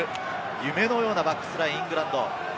夢のようなバックスライン、イングランド。